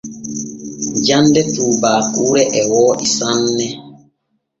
Jande tuubaaku e wooɗi sanne.